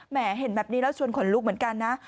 เห็นแบบนี้แล้วชวนขนลุกเหมือนกันนะ